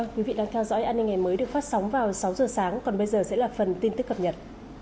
quý vị đang theo dõi an ninh ngày mới được phát sóng vào sáu giờ sáng còn bây giờ sẽ là phần tin tức cập nhật